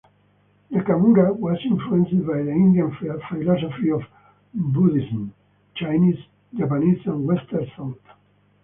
Nakamura was influenced by the Indian philosophy of Buddhism, Chinese, Japanese and Western thought.